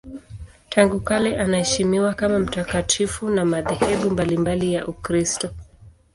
Tangu kale anaheshimiwa kama mtakatifu na madhehebu mbalimbali ya Ukristo.